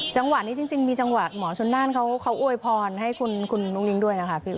จังหว่านี้จริงมีจังหวะหมอฉนานเค้าอวยพลให้เมื่อกเขานด้วยนะค่ะ